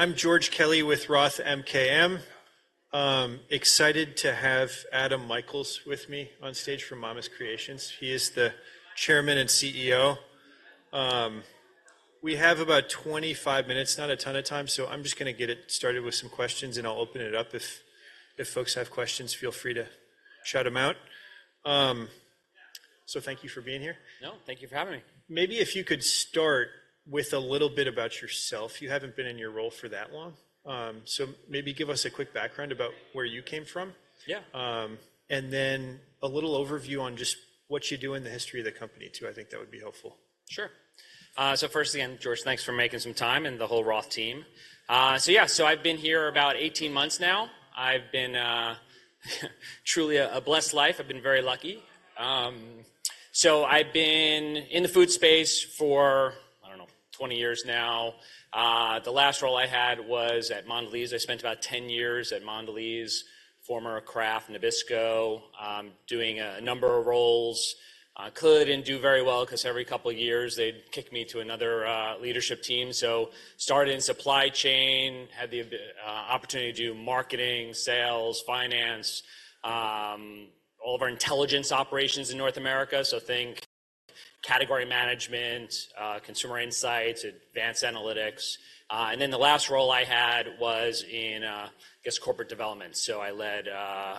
I'm George Kelly with Roth MKM. Excited to have Adam Michaels with me on stage from Mama's Creations. He is the chairman and CEO. We have about 25 minutes, not a ton of time, so I'm just gonna get it started with some questions, and I'll open it up if folks have questions, feel free to shout 'em out. So thank you for being here. No, thank you for having me. Maybe if you could start with a little bit about yourself. You haven't been in your role for that long, so maybe give us a quick background about where you came from. Yeah. Then a little overview on just what you do and the history of the company, too. I think that would be helpful. Sure. So firstly, again, George, thanks for making some time, and the whole Roth team. So yeah, so I've been here about 18 months now. I've been truly a blessed life. I've been very lucky. So I've been in the food space for, I don't know, 20 years now. The last role I had was at Mondelēz. I spent about 10 years at Mondelēz, former Kraft Nabisco, doing a number of roles. I could and do very well 'cause every couple of years, they'd kick me to another leadership team. So started in supply chain, had the opportunity to do marketing, sales, finance, all of our intelligence operations in North America, so think category management, consumer insights, advanced analytics. And then the last role I had was in, I guess, corporate development, so I led,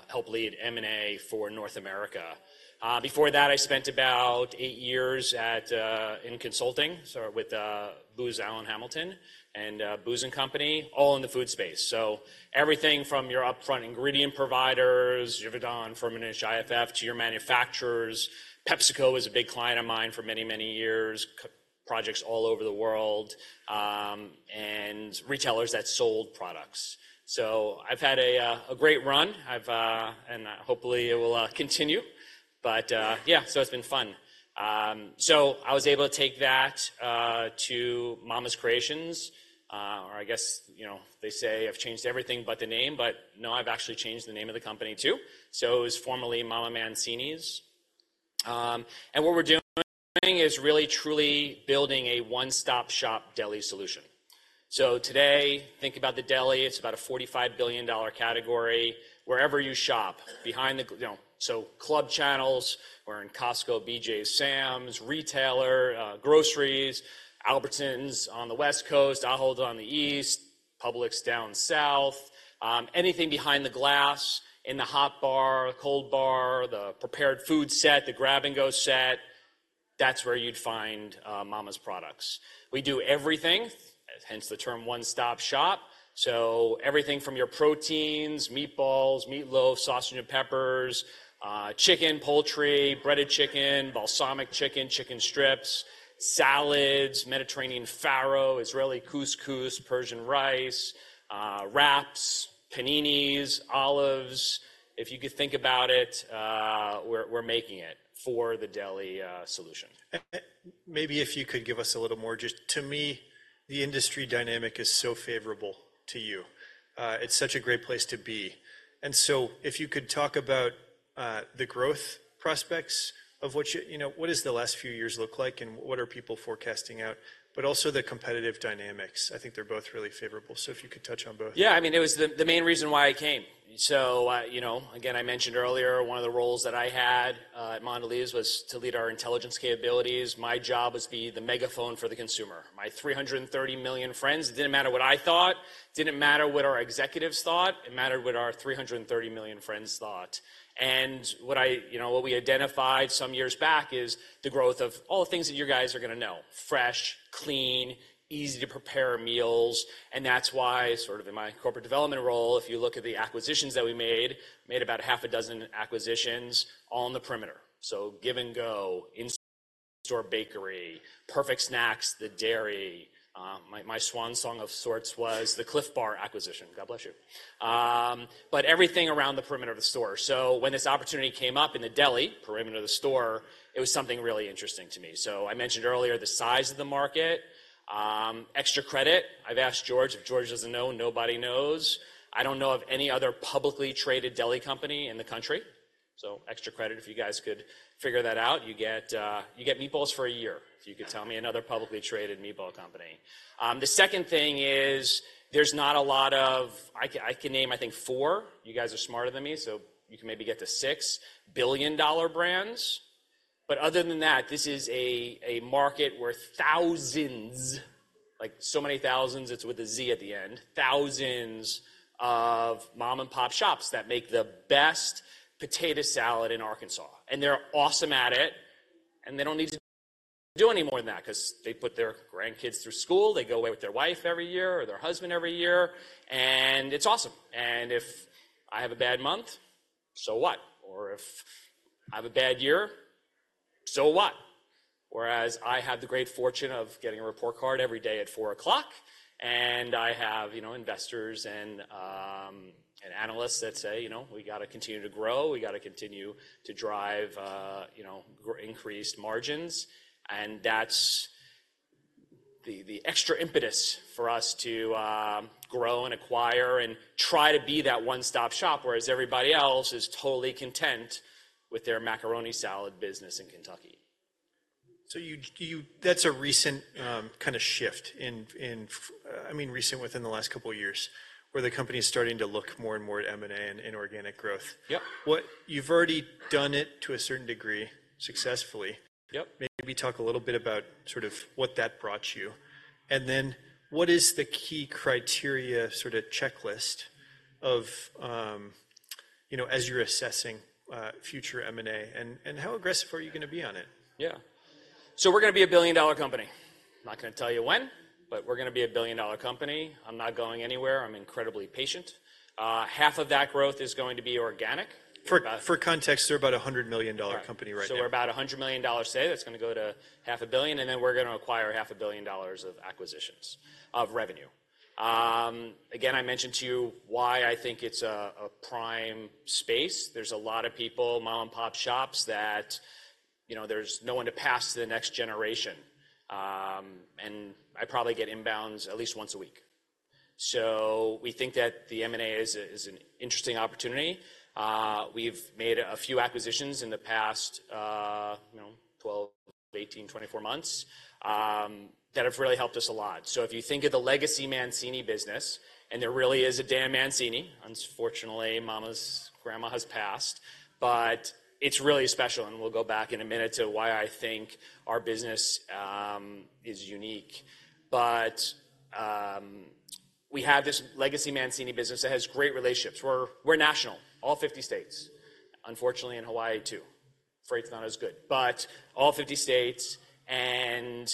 helped lead M&A for North America. Before that, I spent about eight years at, in consulting, so with, Booz Allen Hamilton and, Booz & Company, all in the food space. So everything from your upfront ingredient providers, Givaudan, Firmenich, IFF, to your manufacturers. PepsiCo was a big client of mine for many, many years, projects all over the world, and retailers that sold products. So I've had a great run. And hopefully it will continue. But, yeah, so it's been fun. So I was able to take that to Mama's Creations, or I guess, you know, they say I've changed everything but the name, but no, I've actually changed the name of the company, too. So it was formerly Mama Mancini's. And what we're doing is really, truly building a one-stop-shop deli solution. So today, think about the deli. It's about a $45 billion category. Wherever you shop, behind the glass, you know, so club channels or in Costco, BJ's, Sam's, retailer, groceries, Albertsons on the West Coast, Ahold on the East, Publix down South. Anything behind the glass, in the hot bar, cold bar, the prepared food set, the grab-and-go set, that's where you'd find Mama's products. We do everything, hence the term one-stop shop, so everything from your proteins, meatballs, meatloaf, sausage and peppers, chicken, poultry, breaded chicken, balsamic chicken, chicken strips, salads, Mediterranean farro, Israeli couscous, Persian rice, wraps, paninis, olives. If you could think about it, we're making it for the deli solution. Maybe if you could give us a little more, just to me, the industry dynamic is so favorable to you. It's such a great place to be. And so if you could talk about the growth prospects of what you... You know, what does the last few years look like, and what are people forecasting out? But also the competitive dynamics. I think they're both really favorable, so if you could touch on both. Yeah, I mean, it was the main reason why I came. So, you know, again, I mentioned earlier, one of the roles that I had at Mondelēz was to lead our intelligence capabilities. My job was to be the megaphone for the consumer. My 330 million friends, it didn't matter what I thought, didn't matter what our executives thought. It mattered what our 330 million friends thought. And what I, you know, what we identified some years back is the growth of all the things that you guys are gonna know: fresh, clean, easy-to-prepare meals, and that's why, sort of in my corporate development role, if you look at the acquisitions that we made, made about 6 acquisitions, all on the perimeter. So Give & Go, in-store bakery, Perfect Snacks, the dairy. My swan song of sorts was the Clif Bar acquisition. God bless you. But everything around the perimeter of the store. So when this opportunity came up in the deli, perimeter of the store, it was something really interesting to me. So I mentioned earlier the size of the market. Extra credit, I've asked George. If George doesn't know, nobody knows. I don't know of any other publicly traded deli company in the country, so extra credit, if you guys could figure that out, you get meatballs for a year... if you could tell me another publicly traded meatball company. The second thing is, there's not a lot of... I can name, I think, four. You guys are smarter than me, so you can maybe get to six billion-dollar brands. But other than that, this is a market where thousands, like so many thousands, it's with a Z at the end, thousands of mom-and-pop shops that make the best potato salad in Arkansas, and they're awesome at it, and they don't need to do any more than that 'cause they put their grandkids through school. They go away with their wife every year or their husband every year, and it's awesome. And if I have a bad month, so what? Or if I have a bad year, so what? Whereas I have the great fortune of getting a report card every day at 4:00 P.M., and I have, you know, investors and, and analysts that say, "You know, we gotta continue to grow. We gotta continue to drive, you know, increased margins," and that's the, the extra impetus for us to, grow and acquire and try to be that one-stop shop, whereas everybody else is totally content with their macaroni salad business in Kentucky. So that's a recent kind of shift, I mean, recent within the last couple of years, where the company is starting to look more and more at M&A and inorganic growth. Yep. You've already done it to a certain degree, successfully. Yep. Maybe talk a little bit about sort of what that brought you, and then what is the key criteria, sort of checklist, of, you know, as you're assessing future M&A? And how aggressive are you gonna be on it? Yeah. So we're gonna be a billion-dollar company. I'm not gonna tell you when, but we're gonna be a billion-dollar company. I'm not going anywhere. I'm incredibly patient. Half of that growth is going to be organic. For context, they're about a $100 million company right now. So we're about $100 million today. That's gonna go to $500 million, and then we're gonna acquire $500 million of acquisitions, of revenue. Again, I mentioned to you why I think it's a prime space. There's a lot of people, mom-and-pop shops, that, you know, there's no one to pass to the next generation. And I probably get inbounds at least once a week. So we think that the M&A is an interesting opportunity. We've made a few acquisitions in the past, you know, 12, 18, 24 months, that have really helped us a lot. So if you think of the legacy Mancini business, and there really is a Dan Mancini, unfortunately, Mama's, Grandma has passed, but it's really special, and we'll go back in a minute to why I think our business is unique. But we have this legacy Mancini business that has great relationships. We're national, all 50 states. Unfortunately, in Hawaii, too. Freight's not as good. But all 50 states, and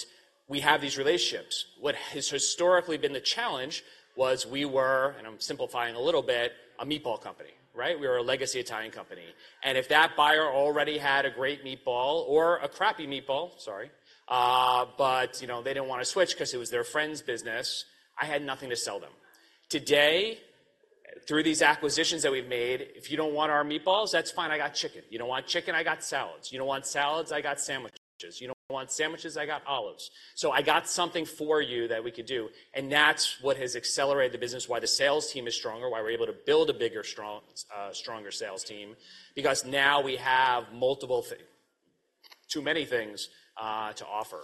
we have these relationships. What has historically been the challenge was we were, and I'm simplifying a little bit, a meatball company, right? We were a legacy Italian company. And if that buyer already had a great meatball or a crappy meatball, sorry, but, you know, they didn't wanna switch 'cause it was their friend's business, I had nothing to sell them. Today, through these acquisitions that we've made, if you don't want our meatballs, that's fine, I got chicken. You don't want chicken, I got salads. You don't want salads, I got sandwiches. You don't want sandwiches, I got olives. So I got something for you that we could do, and that's what has accelerated the business, why the sales team is stronger, why we're able to build a bigger, strong, stronger sales team, because now we have multiple, too many things to offer.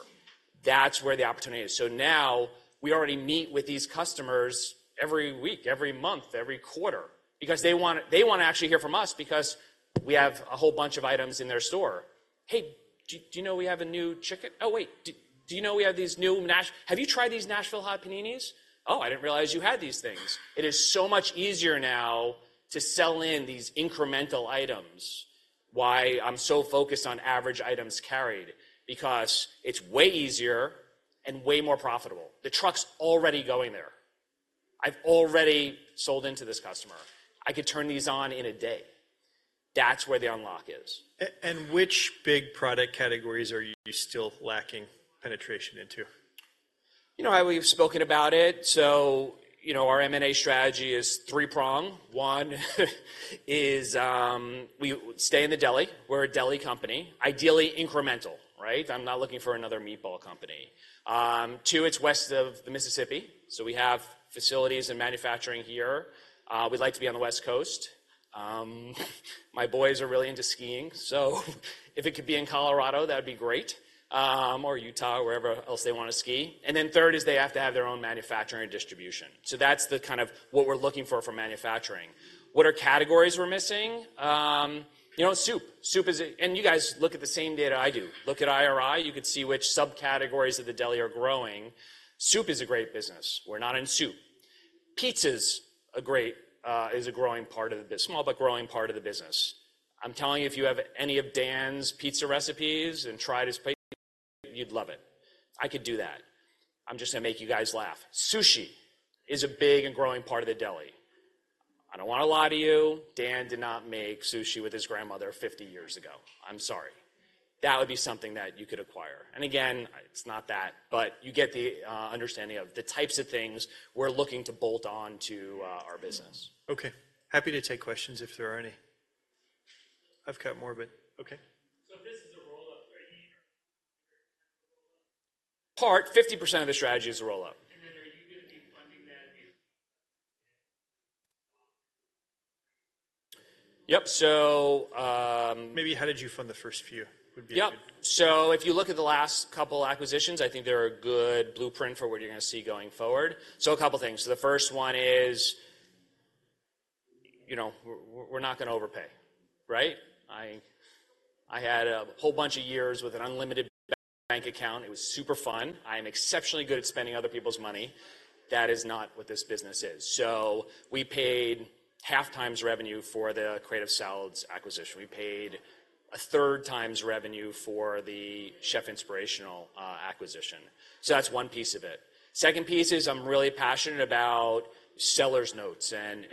That's where the opportunity is. So now, we already meet with these customers every week, every month, every quarter, because they wanna, they wanna actually hear from us because we have a whole bunch of items in their store. "Hey, do you know we have a new chicken? Oh, wait, do you know we have these new Nashville Hot Paninis?" "Oh, I didn't realize you had these things." It is so much easier now to sell in these incremental items. Why I'm so focused on average items carried: because it's way easier and way more profitable. The truck's already going there. I've already sold into this customer. I could turn these on in a day. That's where the unlock is. Which big product categories are you still lacking penetration into? You know, we've spoken about it, so, you know, our M&A strategy is three-pronged. One, we stay in the deli. We're a deli company. Ideally, incremental, right? I'm not looking for another meatball company. Two, it's west of the Mississippi, so we have facilities and manufacturing here. We'd like to be on the West Coast. My boys are really into skiing, so if it could be in Colorado, that'd be great, or Utah, wherever else they wanna ski. And then third is they have to have their own manufacturing and distribution. So that's the kind of what we're looking for for manufacturing. What are categories we're missing? You know, soup. Soup is. And you guys look at the same data I do. Look at IRI, you could see which subcategories of the deli are growing. Soup is a great business. We're not in soup. Pizza's a great, is a small, but growing part of the business. I'm telling you, if you have any of Dan's pizza recipes and tried his pizza, you'd love it. I could do that. I'm just gonna make you guys laugh. Sushi is a big and growing part of the deli. I don't wanna lie to you, Dan did not make sushi with his grandmother 50 years ago. I'm sorry. That would be something that you could acquire. And again, it's not that, but you get the understanding of the types of things we're looking to bolt on to our business. Okay. Happy to take questions if there are any. I've got more, but... Okay. This is a roll-up, right? Part, 50% of the strategy is a roll-up. Are you gonna be funding that again? Yep. So, Maybe how did you fund the first few, would be a good- Yep. So if you look at the last couple acquisitions, I think they're a good blueprint for what you're gonna see going forward. So a couple things. The first one is, you know, we're not gonna overpay, right? I had a whole bunch of years with an unlimited bank account. It was super fun. I'm exceptionally good at spending other people's money. That is not what this business is. So we paid 0.5x revenue for the Creative Salads acquisition. We paid 1/3x revenue for the Chef Inspirational acquisition. So that's one piece of it. Second piece is I'm really passionate about sellers' notes, and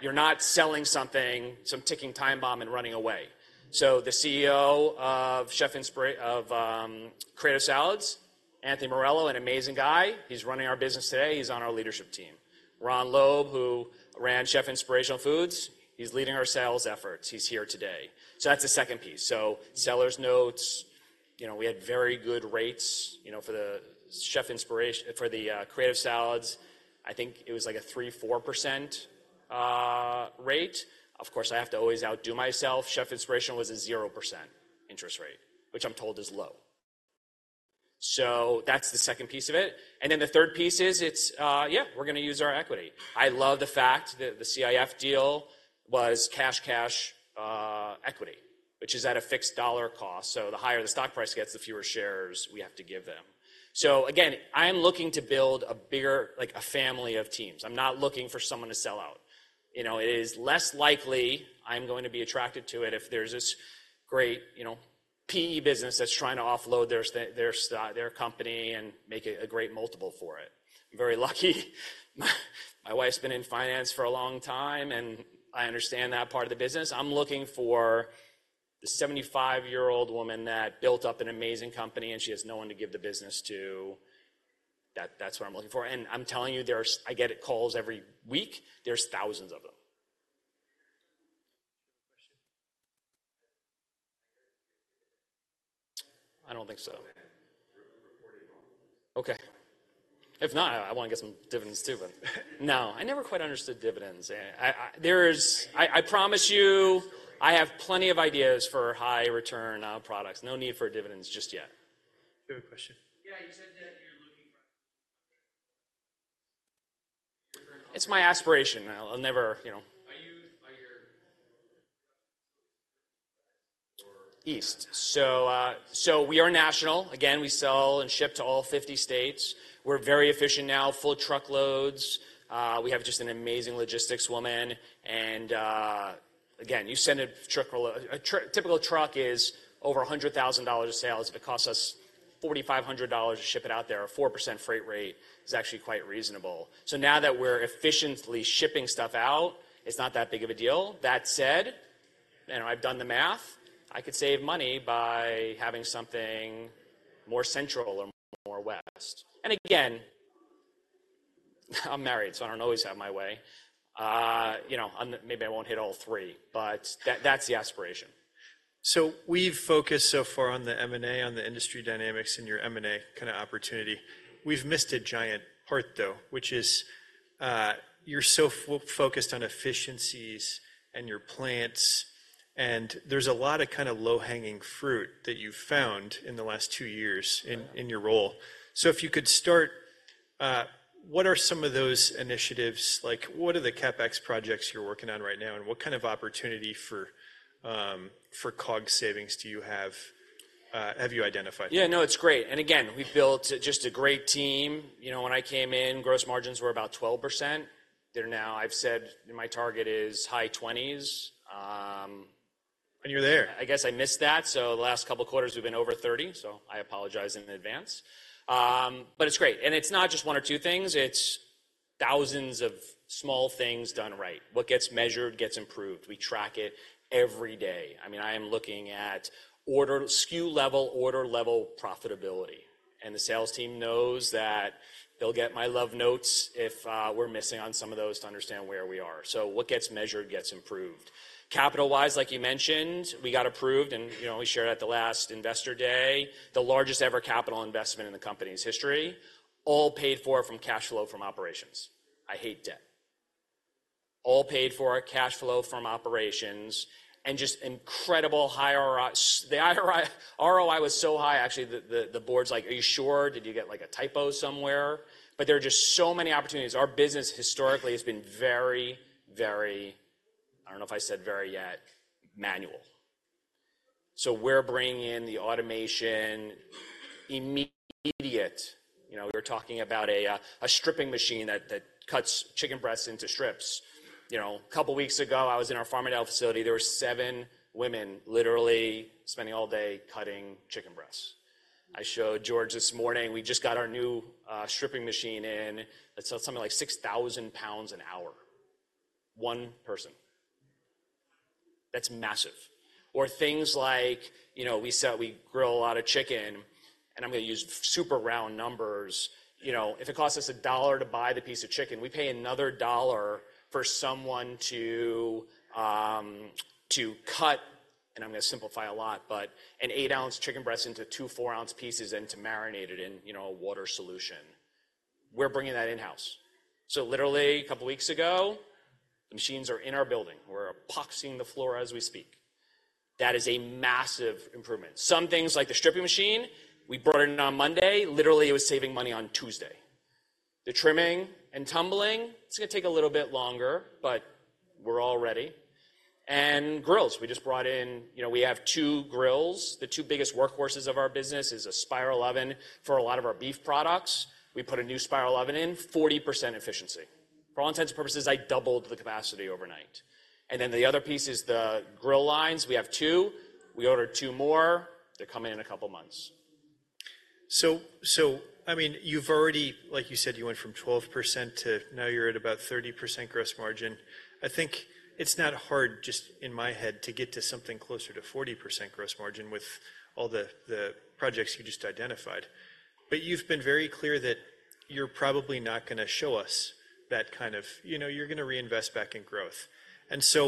you're not selling something, some ticking time bomb, and running away. So the CEO of Creative Salads, Anthony Morello, an amazing guy, he's running our business today. He's on our leadership team. Rob Loeb, who ran Chef Inspirational Foods, he's leading our sales efforts. He's here today. So that's the second piece. So sellers' notes, you know, we had very good rates, you know, for the Chef Inspirational—for the Creative Salads. I think it was, like, a 3-4% rate. Of course, I have to always outdo myself. Chef Inspirational was a 0% interest rate, which I'm told is low. So that's the second piece of it, and then the third piece is it's, yeah, we're gonna use our equity. I love the fact that the CIF deal was cash, cash, equity, which is at a fixed dollar cost, so the higher the stock price gets, the fewer shares we have to give them. So again, I'm looking to build a bigger, like, a family of teams. I'm not looking for someone to sell out. You know, it is less likely I'm going to be attracted to it if there's this great, you know, PE business that's trying to offload their company and make it a great multiple for it. I'm very lucky, my, my wife's been in finance for a long time, and I understand that part of the business. I'm looking for the 75-year-old woman that built up an amazing company, and she has no one to give the business to. That, that's what I'm looking for, and I'm telling you, there's I get calls every week. There's thousands of them. You have a question? I don't think so. Go ahead. Reporting wrong. Okay. If not, I wanna get some dividends too, but no, I never quite understood dividends. I... There's- I promise you- Sorry. I have plenty of ideas for high return products. No need for dividends just yet. You have a question? Yeah, you said that you're looking for... It's my aspiration. I'll never, you know- Are your... East. So, so we are national. Again, we sell and ship to all 50 states. We're very efficient now, full truckloads. We have just an amazing logistics woman, and, again, a typical truck is over $100,000 of sales. It costs us $4,500 to ship it out there. A 4% freight rate is actually quite reasonable. So now that we're efficiently shipping stuff out, it's not that big of a deal. That said, and I've done the math, I could save money by having something more central or more west. And again, I'm married, so I don't always have my way. You know, on the, maybe I won't hit all three, but that, that's the aspiration. So we've focused so far on the M&A, on the industry dynamics and your M&A kind of opportunity. We've missed a giant part, though, which is, you're so focused on efficiencies and your plants, and there's a lot of kind of low-hanging fruit that you've found in the last two years- Yeah In your role. So if you could start, what are some of those initiatives? Like, what are the CapEx projects you're working on right now, and what kind of opportunity for COGS savings do you have? Have you identified? Yeah, no, it's great. And again, we've built just a great team. You know, when I came in, gross margins were about 12%. They're now... I've said my target is high 20s%. You're there. I guess I missed that, so the last couple of quarters we've been over 30, so I apologize in advance. But it's great. And it's not just one or two things, it's thousands of small things done right. What gets measured gets improved. We track it every day. I mean, I am looking at order, SKU level, order level profitability, and the sales team knows that they'll get my love notes if we're missing on some of those to understand where we are. So what gets measured gets improved. Capital-wise, like you mentioned, we got approved, and, you know, we shared at the last investor day, the largest ever capital investment in the company's history, all paid for from cash flow from operations. I hate debt. All paid for cash flow from operations and just incredible high ROI. The IRI ROI was so high, actually, the board's like: "Are you sure? Did you get, like, a typo somewhere?" But there are just so many opportunities. Our business historically has been very, very, I don't know if I said very yet, manual. So we're bringing in the automation immediate. You know, we were talking about a stripping machine that cuts chicken breasts into strips. You know, a couple of weeks ago, I was in our Farmingdale facility. There were seven women literally spending all day cutting chicken breasts. I showed George this morning, we just got our new stripping machine in. It sells something like 6,000 pounds an hour, one person. That's massive. Or things like, you know, we sell, we grill a lot of chicken, and I'm gonna use super round numbers. You know, if it costs us $1 to buy the piece of chicken, we pay another $1 for someone to to cut, and I'm gonna simplify a lot, but an 8-ounce chicken breast into two 4-ounce pieces and to marinate it in, you know, a water solution. We're bringing that in-house. So literally, a couple of weeks ago, the machines are in our building. We're epoxying the floor as we speak. That is a massive improvement. Some things, like the stripping machine, we brought it in on Monday. Literally, it was saving money on Tuesday. The trimming and tumbling, it's gonna take a little bit longer, but we're all ready. And grills, we just brought in... You know, we have two grills. The two biggest workhorses of our business is a spiral oven for a lot of our beef products. We put a new Spiral Oven in, 40% efficiency. For all intents and purposes, I doubled the capacity overnight. Then the other piece is the grill lines. We have two. We ordered two more. They're coming in in a couple of months. So, I mean, you've already, like you said, you went from 12% to now you're at about 30% gross margin. I think it's not hard, just in my head, to get to something closer to 40% gross margin with all the projects you just identified. But you've been very clear that you're probably not gonna show us that kind of... You know, you're gonna reinvest back in growth. And so...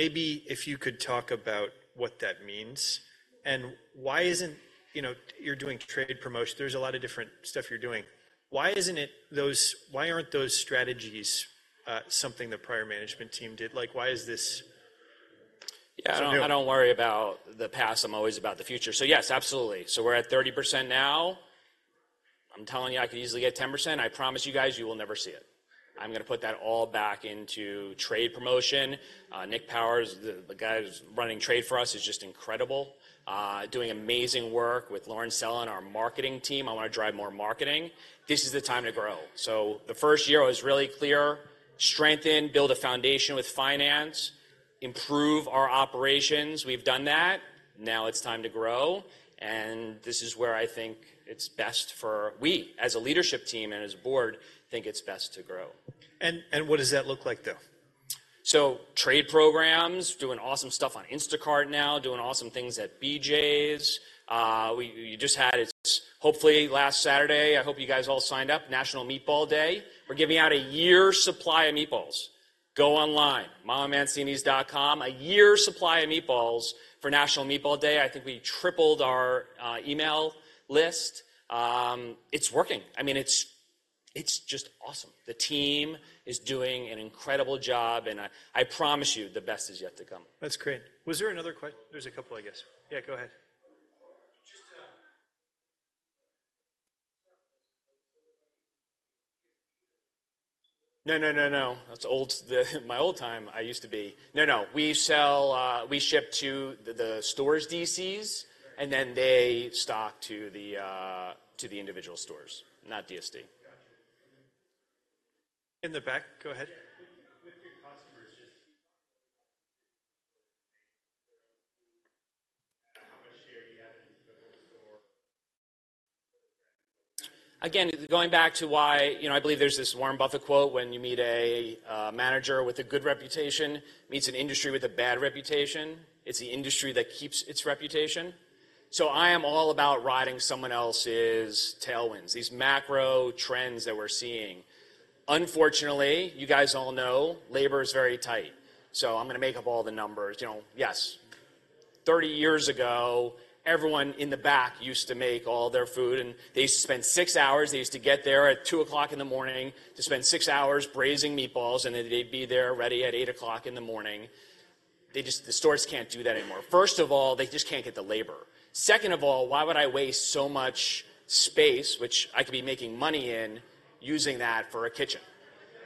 maybe if you could talk about what that means, and why isn't, you know, you're doing trade promotion. There's a lot of different stuff you're doing. Why isn't it those—why aren't those strategies something the prior management team did? Like, why is this- Yeah, I don't worry about the past. I'm always about the future. So yes, absolutely. So we're at 30% now. I'm telling you, I could easily get 10%. I promise you guys, you will never see it. I'm gonna put that all back into trade promotion. Nick Powers, the guy who's running trade for us, is just incredible, doing amazing work with Lauren Sella and our marketing team. I wanna drive more marketing. This is the time to grow. So the first year was really clear: strengthen, build a foundation with finance, improve our operations. We've done that. Now it's time to grow, and this is where I think it's best for we, as a leadership team and as a board, think it's best to grow. What does that look like, though? So trade programs, doing awesome stuff on Instacart now, doing awesome things at BJ's. You just had it, hopefully last Saturday, I hope you guys all signed up, National Meatball Day. We're giving out a year's supply of meatballs. Go online, mamamancinis.com, a year's supply of meatballs for National Meatball Day. I think we tripled our email list. It's working. I mean, it's, it's just awesome. The team is doing an incredible job, and I, I promise you, the best is yet to come. That's great. Was there another question? There's a couple, I guess. Yeah, go ahead. Just, uh... No, no, no, no. That's old. My old time, I used to be... No, no. We sell, we ship to the store's DCs, and then they stock to the individual stores, not DSD. Got you. In the back, go ahead. Yeah, with your customers, just how much share do you have in store? Again, going back to why, you know, I believe there's this Warren Buffett quote: "When you meet a manager with a good reputation, meets an industry with a bad reputation, it's the industry that keeps its reputation." So I am all about riding someone else's tailwinds, these macro trends that we're seeing. Unfortunately, you guys all know, labor is very tight, so I'm gonna make up all the numbers. You know, yes, 30 years ago, everyone in the back used to make all their food, and they used to spend six hours. They used to get there at 2:00 A.M. to spend six hours braising meatballs, and then they'd be there, ready at 8:00 A.M. They just the stores can't do that anymore. First of all, they just can't get the labor. Second of all, why would I waste so much space, which I could be making money in, using that for a kitchen?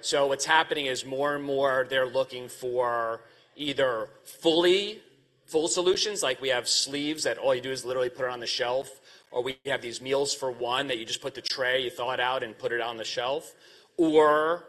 So what's happening is, more and more, they're looking for either fully full solutions, like we have sleeves that all you do is literally put it on the shelf, or we have these meals for one, that you just put the tray, you thaw it out, and put it on the shelf. Or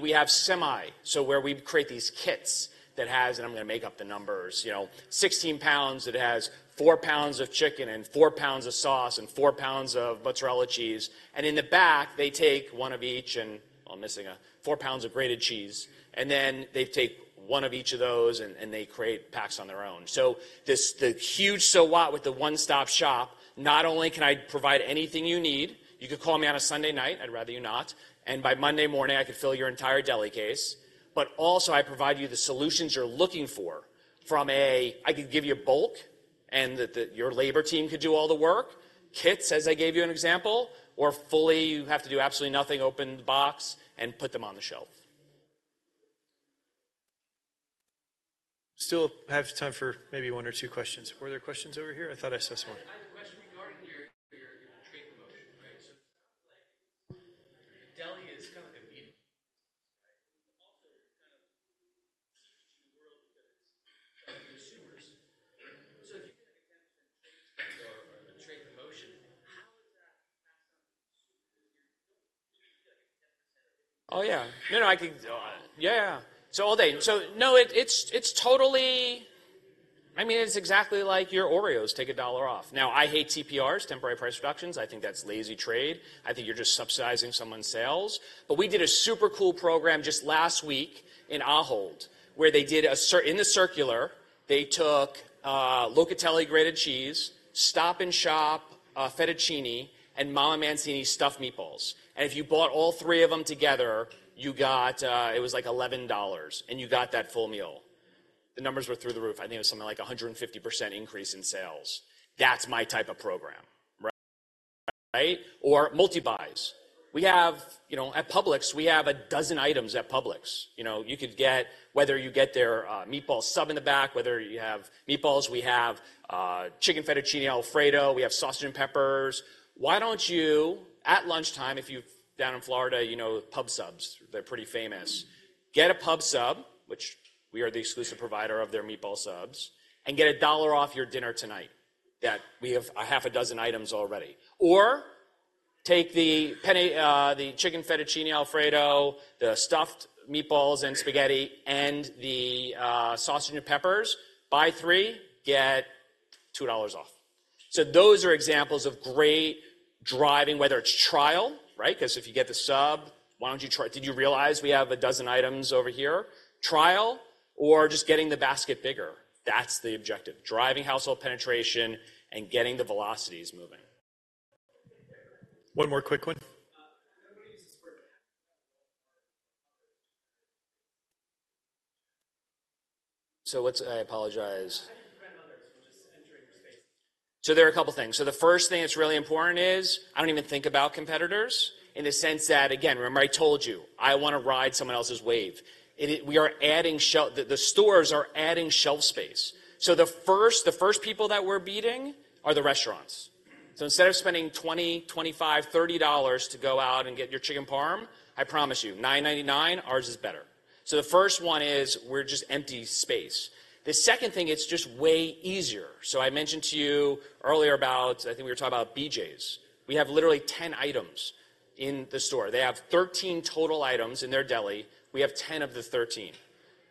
we have semi, so where we create these kits that has, and I'm gonna make up the numbers, you know, 16 pounds, it has 4 pounds of chicken and 4 pounds of sauce and 4 pounds of mozzarella cheese, and in the back, they take one of each and, oh, I'm missing, 4 pounds of grated cheese, and then they take one of each of those, and, and they create packs on their own. So this, the huge so what with the one-stop shop, not only can I provide anything you need, you could call me on a Sunday night, I'd rather you not, and by Monday morning, I could fill your entire deli case, but also I provide you the solutions you're looking for. From a, I could give you bulk, and your labor team could do all the work, kits, as I gave you an example, or fully, you have to do absolutely nothing, open the box and put them on the shelf. Still have time for maybe one or two questions. Were there questions over here? I thought I saw someone. I have a question regarding your trade promotion, right? So deli is kind of a medium, right? Also, kind of the world of consumers. So if you get an attention or a trade promotion, how does that... Oh, yeah. No, no, I can go on. Yeah, yeah. So all day. So no, it's totally. I mean, it's exactly like your Oreos, take $1 off. Now, I hate TPRs, temporary price reductions. I think that's lazy trade. I think you're just subsidizing someone's sales. But we did a super cool program just last week in Ahold, where they did a circular, they took Locatelli grated cheese, Stop & Shop fettuccine, and Mama Mancini's stuffed meatballs, and if you bought all three of them together, you got it was like $11, and you got that full meal. The numbers were through the roof. I think it was something like 150% increase in sales. That's my type of program, right? Or multi-buys. We have, you know, at Publix, we have 12 items at Publix. You know, you could get, whether you get their meatball sub in the back, whether you have meatballs, we have chicken fettuccine Alfredo, we have sausage and peppers. Why don't you, at lunchtime, if you've down in Florida, you know Pub Subs, they're pretty famous. Get a Pub Sub, which we are the exclusive provider of their meatball subs, and get $1 off your dinner tonight. That we have 6 items already. Or take the penne, the chicken fettuccine Alfredo, the stuffed meatballs and spaghetti, and the sausage and peppers. Buy 3, get $2 off. So those are examples of great driving, whether it's trial, right? 'Cause if you get the sub, why don't you try. Did you realize we have 12 items over here? Trial, or just getting the basket bigger. That's the objective, driving household penetration and getting the velocities moving. One more quick one. Nobody uses the word... I apologize. How do you prevent others from just entering the space? So there are a couple of things. So the first thing that's really important is, I don't even think about competitors in the sense that, again, remember I told you, I wanna ride someone else's wave. We are adding shelf space. The stores are adding shelf space. So the first, the first people that we're beating are the restaurants. So instead of spending $20, $25, $30 to go out and get your chicken parm, I promise you, $9.99, ours is better. So the first one is, we're just empty space. The second thing, it's just way easier. So I mentioned to you earlier about, I think we were talking about BJ's. We have literally 10 items in the store. They have 13 total items in their deli. We have 10 of the 13.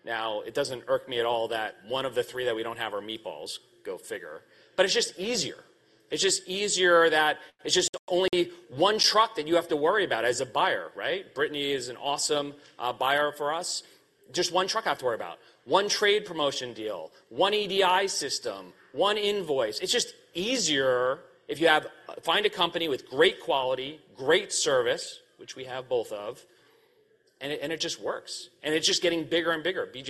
Now, it doesn't irk me at all that one of the three that we don't have are meatballs. Go figure. But it's just easier. It's just easier that it's just only one truck that you have to worry about as a buyer, right? Britt is an awesome buyer for us. Just one truck I have to worry about, one trade promotion deal, one EDI system, one invoice. It's just easier if you have, find a company with great quality, great service, which we have both of, and it, and it just works. And it's just getting bigger and bigger. BJ's-